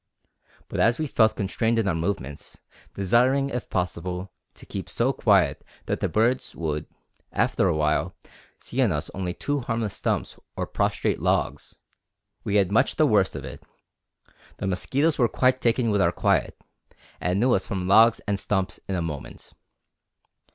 But as we felt constrained in our movements, desiring, if possible, to keep so quiet that the birds would, after a while, see in us only two harmless stumps or prostrate logs, we had much the worst of it. The mosquitoes were quite taken with our quiet, and knew us from logs and stumps in a moment.